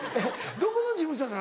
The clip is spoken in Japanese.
どこの事務所なの？